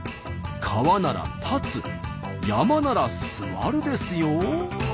「川」なら「たつ」「山」なら「すわる」ですよ。